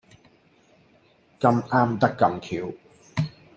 咁啱得咁橋